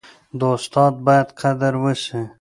د استاد باید قدر وسي.